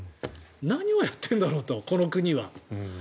何をやっているんだろうとこの国は。